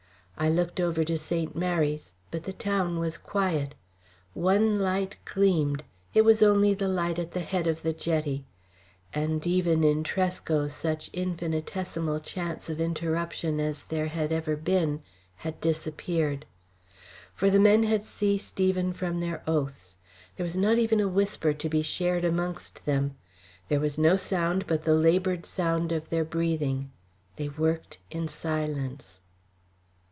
I looked over to St. Mary's, but the town was quiet; one light gleamed, it was only the light at the head of the jetty. And even in Tresco such infinitesimal chance of interruption as there had ever been had disappeared. For the men had ceased even from their oaths. There was not even a whisper to be shared amongst them; there was no sound but the laboured sound of their breathing. They worked in silence.